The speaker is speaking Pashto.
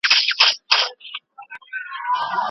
څه ډول انرژي کولای سي زموږ د هېواد راتلونکی روښانه کړي؟